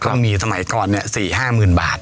ต้องมีสมัยก่อนเนี่ย๔๕หมื่นบาท